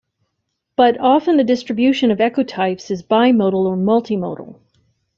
But often the distribution of ecotypes is bimodal or multimodal.